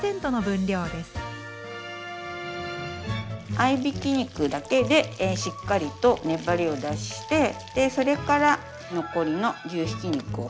合いびき肉だけでしっかりと粘りを出してそれから残りの牛ひき肉を加えますね。